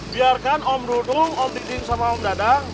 biarkan om dudung om diding sama om dadang